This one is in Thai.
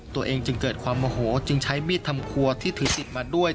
ตัวเองจึงเกิดความโมโหจึงใช้มีดทำครัวที่ถือติดมาด้วย